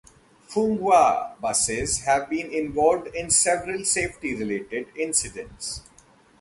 Fung Wah buses have been involved in several safety-related incidents.